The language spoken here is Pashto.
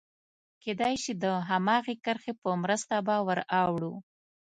کېدای شي د هماغې کرښې په مرسته به ور اوړو.